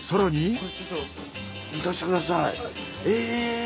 これちょっと見させてください。